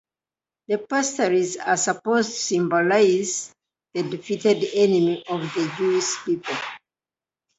The pastries are supposed to symbolize the defeated enemy of the Jewish people.